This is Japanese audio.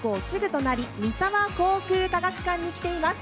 隣三沢航空科学館に来ています。